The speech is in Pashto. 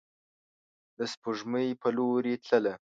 د سپوږمۍ په لوري تلله